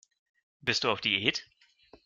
Bist du auf Diät?